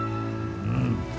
うん。